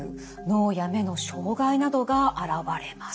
脳や目の障害などが現れます。